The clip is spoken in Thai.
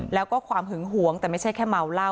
แล้วก็ความหึงหวงแต่ไม่ใช่แค่เมาเหล้า